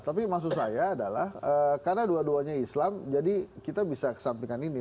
tapi maksud saya adalah karena dua duanya islam jadi kita bisa kesampingan ini